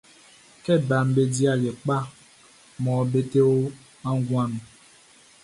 Kɛ baʼm be di aliɛ kpa mɔ be te o nguan nunʼn.